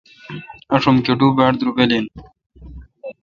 آشوم کٹو باڑدروبل این۔